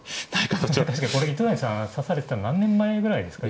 確かにこれ糸谷さん指されてたの何年前ぐらいですか。